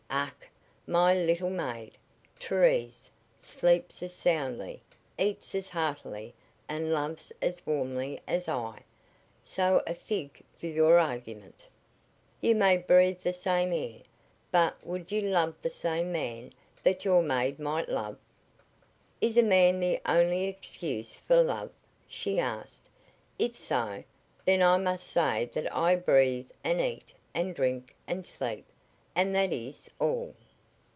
"Ach! my little maid, Therese, sleeps as soundly, eats as heartily and loves as warmly as I, so a fig for your argument." "You may breathe the same air, but would you love the same man that your maid might love?" "Is a man the only excuse for love?" she asked. "If so, then I must say that I breathe and eat and drink and sleep and that is all."